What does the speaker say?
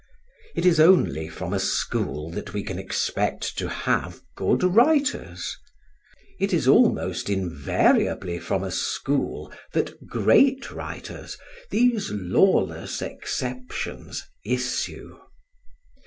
It is only from a school that we can expect to have good writers; it is almost invariably from a school that great writers, these lawless exceptions, issue.